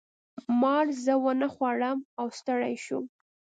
مار زه ونه خوړم او ستړی شو.